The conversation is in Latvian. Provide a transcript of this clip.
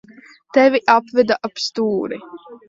Tevi apveda ap stūri.